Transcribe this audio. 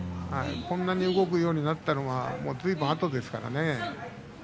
こんなに動くようになったのはずいぶんあとからのことですからね。